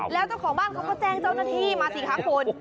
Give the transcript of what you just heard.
แล้วเจ้าของบ้านเขาก็แจ้งเจ้าหน้าที่มาสิคะคุณ